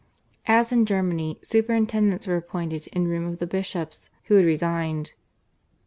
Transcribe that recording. As in Germany, superintendents were appointed in room of the bishops who had resigned.